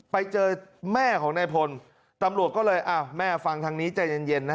ไปเจอแม่ของนายพลตำรวจก็เลยอ้าวแม่ฟังทางนี้ใจเย็นเย็นนะ